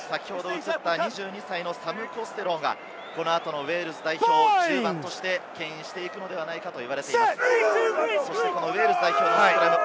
２２歳のサム・コステローが、この後のウェールズ代表の１０番としてけん引していくのではないかと言われています。